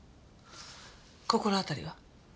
心当たりは？